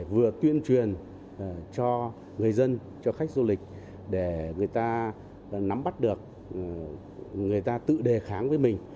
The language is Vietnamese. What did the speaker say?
vừa tuyên truyền cho người dân cho khách du lịch để người ta nắm bắt được người ta tự đề kháng với mình